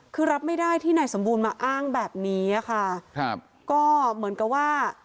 คือรับไม่ได้ที่นายสมบูรณ์มาอ้างแบบนี้อะค่ะครับก็เหมือนกับว่า